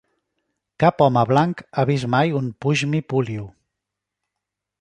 Cap home blanc ha vist mai un pushmi-pullyu.